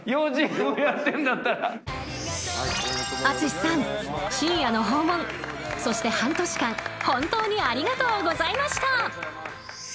淳さん、深夜の訪問そして半年間本当にありがとうございました！